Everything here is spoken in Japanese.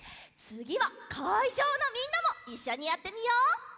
つぎはかいじょうのみんなもいっしょにやってみよう！